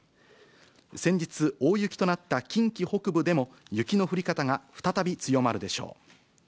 先日、大雪となった近畿北部でも雪の降り方が再び強まるでしょう。